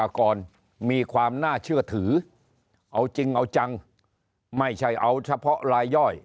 มีความน่าเชื่อถือเอาจริงเอาจังไม่ใช่เอาเฉพาะลายย่อย